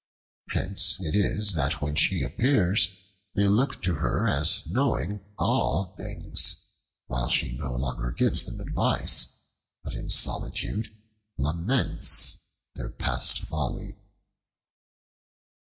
Hence it is that when she appears they look to her as knowing all things, while she no longer gives them advice, but in solitude laments their past folly.